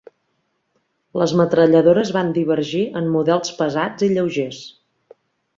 Les metralladores van divergir en models pesats i lleugers.